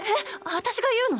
私が言うの？